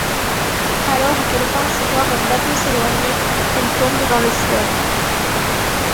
Alors qu’elle pense voir un bateau s’éloigner, elle tombe dans le fleuve.